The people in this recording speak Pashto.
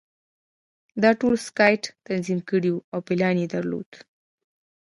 دا ټول سکاټ تنظیم کړي وو او پلان یې درلود